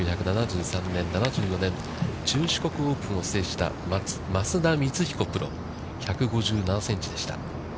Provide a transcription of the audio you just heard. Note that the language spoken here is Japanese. １９７３年、７４年、中四国オープンを制した増田プロが１５７センチでした。